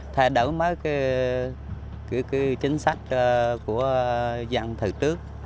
thay đổi mấy chính sách của dân thời trước